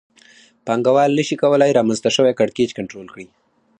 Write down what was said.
پانګوال نشي کولای رامنځته شوی کړکېچ کنټرول کړي